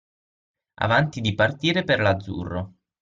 Avanti di partire per l'azzurro.